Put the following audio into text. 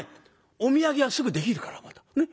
お土産はすぐできるからまた。